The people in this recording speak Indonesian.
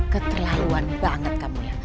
keterlaluan banget kamu ya